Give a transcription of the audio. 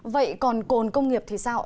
vậy còn cồn công nghiệp thì sao